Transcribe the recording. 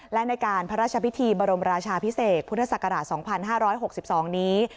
และในการพระราชพิธีบรมราชาพิเศษพุทธศักราช๒๕๖๒นี้